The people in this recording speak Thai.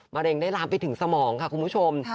เร็งได้ลามไปถึงสมองค่ะคุณผู้ชม